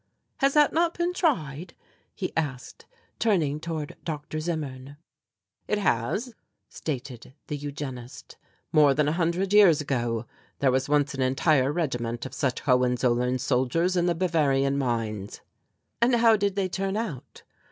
"Has that not been tried?" he asked, turning toward Dr. Zimmern. "It has," stated the Eugenist, "more than a hundred years ago. There was once an entire regiment of such Hohenzollern soldiers in the Bavarian mines." "And how did they turn out?"